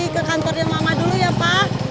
ke kantornya mama dulu ya pa